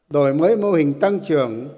đổi mới mô hình tăng trưởng